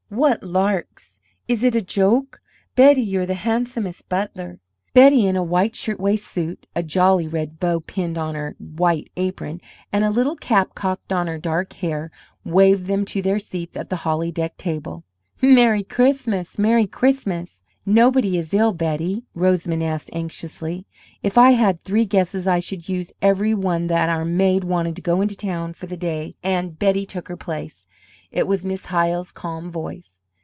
"What larks!" "Is it a joke?" "Betty, you're the handsomest butler!" Betty, in a white shirt waist suit, a jolly red bow pinned on her white apron, and a little cap cocked on her dark hair, waved them to their seats at the holly decked table. "Merry Christmas! Merry Christmas!" "Nobody is ill, Betty?" Rosamond asked, anxiously. "If I had three guesses, I should use every one that our maid wanted to go into town for the day, and Betty took her place." It was Miss Hyle's calm voice.